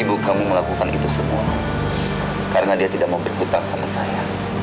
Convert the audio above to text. ibu kamu melakukan itu semua karena dia tidak mau berhutang sama saya